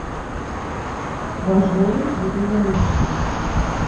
Ваш голас будзе залічаны.